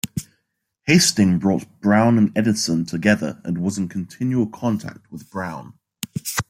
Hasting brought Brown and Edison together and was in continual contact with Brown.